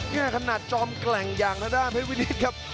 นี่ขนาดจอมแกร่งอย่างทางด้านเพชรวินิตครับ